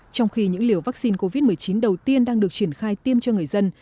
trong khi những liều vaccine covid một mươi chín đầu tiên đang được triển khai tiêm cho người dân